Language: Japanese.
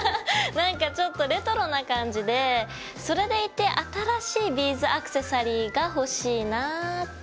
なんかちょっとレトロな感じでそれでいて新しいビーズアクセサリーが欲しいなぁって。